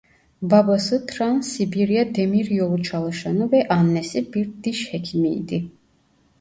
Babası Trans-Sibirya demiryolu çalışanı ve annesi bir diş hekimiydi.